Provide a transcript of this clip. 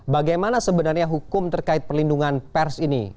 bagaimana sebenarnya hukum terkait perlindungan pers ini